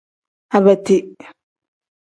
Abeti.